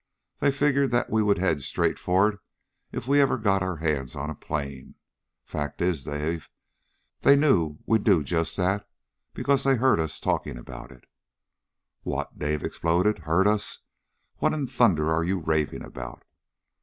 They figured that we would head straight for it if we ever got our hands on a plane. Fact is, Dave, they knew we'd do just that because they heard us talking about it!" "What?" Dawson exploded. "Heard us? What in thunder are you raving about?"